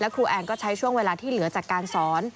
ครูแอนก็ใช้ช่วงเวลาที่เหลือจากการสอน